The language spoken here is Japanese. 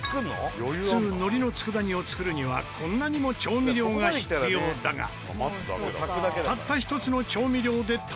普通海苔の佃煮を作るにはこんなにも調味料が必要だがたった１つの調味料でタイパ。